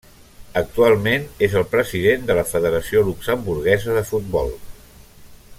Actualment és el President de la Federació Luxemburguesa de Futbol.